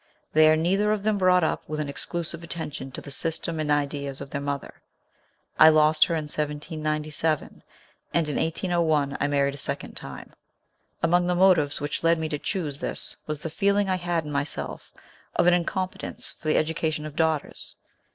They are neither of them brought up with an exclu sive attention to the system and ideas of their mother. I lost her in 1797, and in 1801 I married a second time. One among the motives which led me to choose this was the feeling I had in myself of an incompetence for the education of daughters.